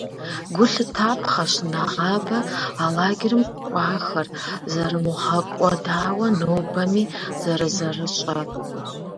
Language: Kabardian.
Гу лъытапхъэщ нэгъабэ а лагерым кӏуахэр зэрымыгъэкӏуэдауэ нобэми зэрызэрыщӏэр.